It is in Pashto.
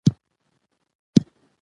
علم په پښتو تدریس کېږي.